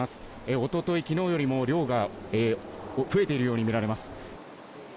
おととい、きのうよりも量が増えているように見られます。